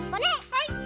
はい。